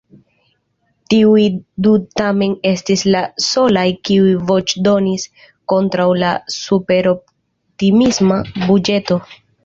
Tiuj du tamen estis la solaj, kiuj voĉdonis kontraŭ la superoptimisma buĝeto.